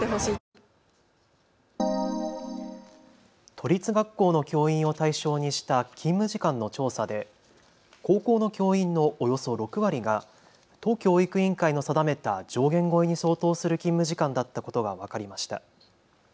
都立学校の教員を対象にした勤務時間の調査で高校の教員のおよそ６割が都教育委員会の定めた上限超えに相当する勤務時間だったことが分かりました。